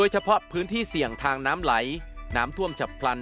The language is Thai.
ทางน้ำไหลน้ำท่วมจับพลัน